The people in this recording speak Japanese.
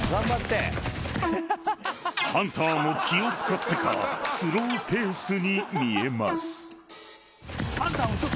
［ハンターも気を使ってかスローペースに見えます］